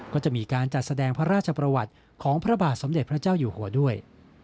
ก็จะมีการจัดแสดงพระราชประวัติของพระบาทสมเด็จพระเจ้าอยู่หัวด้วย